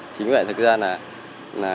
chính vậy thật ra là